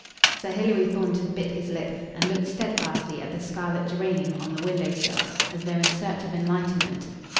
Sir Hilary Thornton bit his lip and looked steadfastly at the scarlet geranium on the window sill, as though in search of enlightenment.